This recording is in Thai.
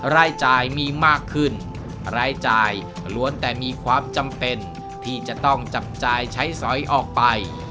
รายจ่ายมีมากขึ้นรายจ่ายล้วนแต่มีความจำเป็นที่จะต้องจับจ่ายใช้สอยออกไป